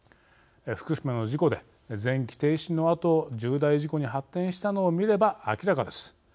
福島の事故で全基停止のあと重大事故に発展したのを見れば明らかです。